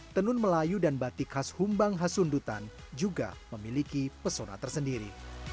tenun melayu dan batik khas humbang hasundutan juga memiliki pesona tersendiri